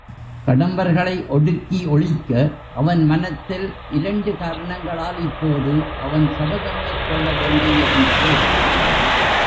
கடம்பர்களை ஒடுக்கி ஒழிக்க அவன் மனத்தில் இரண்டு காரணங்களால் இப்போது அவன் சபதம் மேற்கொள்ள வேண்டியிருந்தது.